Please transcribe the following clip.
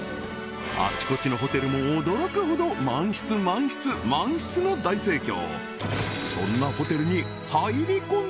あちこちのホテルも驚くほど満室・満室・満室の大盛況